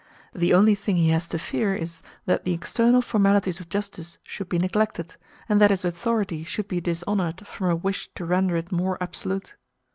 The only thing he has to fear is, that the external formalities of justice should be neglected, and that his authority should be dishonored from a wish to render it more absolute.